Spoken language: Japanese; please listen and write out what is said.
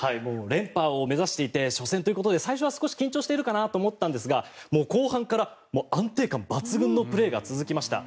連覇を目指していて初戦ということで最初は少し緊張しているかなと思ったんですが後半から安定感抜群のプレーが続きました。